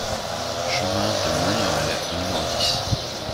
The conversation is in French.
Chemin de Manneret au numéro dix